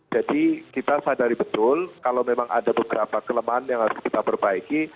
jadi kita sadari betul kalau memang ada beberapa kelemahan yang harus kita perbaiki